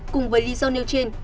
cùng với lý do nêu trên